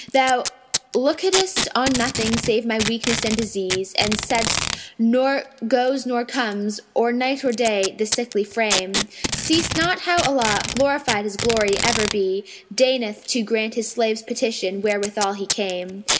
Thou lookedest on nothing save my weakness and disease; * And saidst 'Nor goes nor comes, or night or day, this sickly frame. Seest not how Allah (glorified His glory ever be!) * Deigneth to grant His slave's petition wherewithal he came.